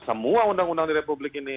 semua undang undang di republik ini